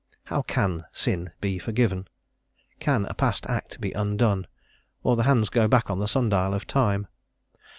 How can sin be forgiven? can a past act be undone, or the hands go back on the sun dial of Time?